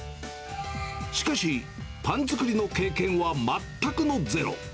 しかし、パン作りの経験は全くのゼロ。